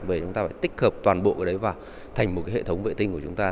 vậy chúng ta phải tích hợp toàn bộ cái đấy vào thành một hệ thống vệ tinh của chúng ta